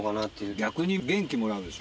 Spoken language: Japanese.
逆に元気もらうでしょ。